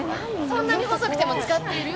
そんなに細くても使っている？